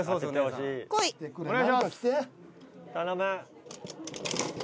「頼む！」